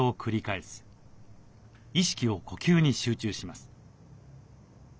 意識を呼吸に集中します。